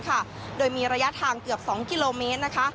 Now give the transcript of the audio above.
โดยมีระยะทางเกือบ๒กิโลเมตรนะคะ